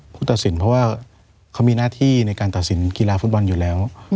ตัดสินเพราะว่าเขามีหน้าที่ในการตัดสินกีฬาฟุตบอลอยู่แล้ว